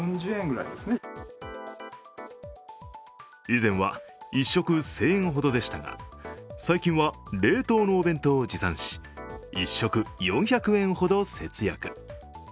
以前は１食１０００円ほどでしたが、最近は冷凍のお弁当を持参し１食４００円ほど節約。